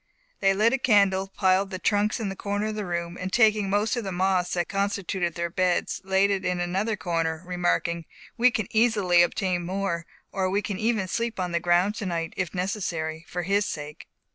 They lit a candle, piled the trunks in a corner of the room, and taking most of the moss that constituted their beds, laid it in another corner, remarking, "We can easily obtain more; or we can even sleep on the ground tonight, if necessary, for his sake."